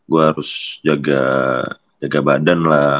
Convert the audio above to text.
gue harus jaga jaga badan lah